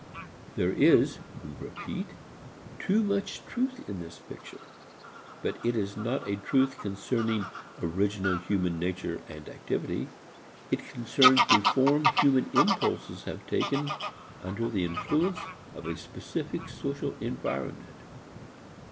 There is, we repeat, too much truth in this picture. But it is not a truth concerning original human nature and activity. It concerns the form human impulses have taken under the influence of a specific social environment.